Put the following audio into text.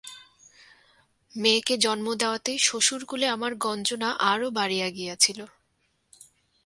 মেয়েকে জন্ম দেওয়াতে শ্বশুরকুলে আমার গঞ্জনা আরো বাড়িয়া গিয়াছিল।